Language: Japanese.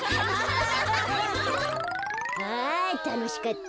あたのしかった。